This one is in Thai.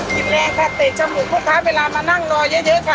แรงค่ะเตะจมูกลูกค้าเวลามานั่งรอเยอะค่ะ